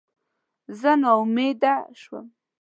زه ناامیده شوم.